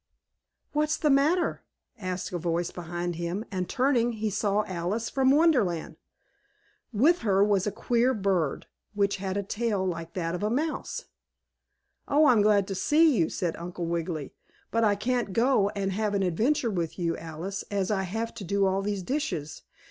"What's the matter?" asked a voice behind him, and turning, he saw Alice from Wonderland. With her was a queer bird, which had a tail like that of a mouse. "Oh, I'm glad to see you!" said Uncle Wiggily. "But I can't go and have an adventure with you, Alice, as I have to do all these dishes.